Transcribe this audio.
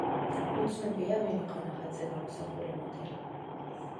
უცნობია, ვინ იყო ნახატზე გამოსახული მოდელი.